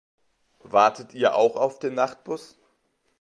Wartet ihr auch auf den Nachtbus?